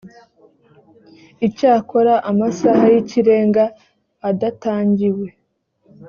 icyakora amasaha y ikirenga adatangiwe